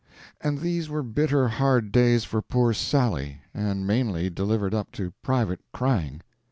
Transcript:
And these were bitter hard days for poor Sally, and mainly delivered up to private crying.